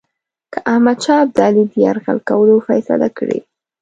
که احمدشاه ابدالي د یرغل کولو فیصله کړې.